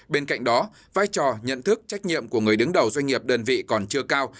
bên cạnh đó vai trò nhận thức trách nhiệm của người đứng đầu doanh nghiệp đơn vị còn chưa cao